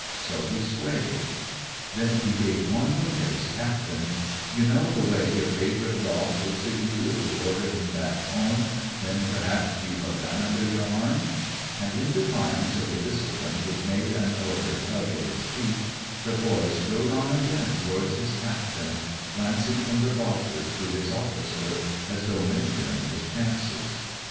So he swayed. THE SOUTH AFRICAN 215 Then he gave one look at his captain — "you know the way your favourite dog looks at you if you order him back home when, perhaps, you've a gim under your arm ?"— and, in defiance of the discipUne which made an order tug at his feet, the boy strode on again towards his captain, glancing from the Boches to his officer, as though measuring his chances.